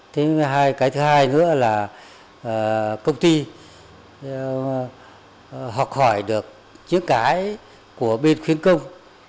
thứ hai cái thứ hai nữa là công ty học hỏi được những cái của bên khuyến công